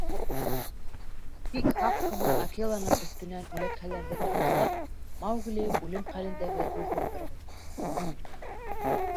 Бик һаҡ ҡына Акеланың өҫтөнән үләкһәләрҙе тартҡылап, Маугли үлем хәлендәге дуҫын торғоҙҙо.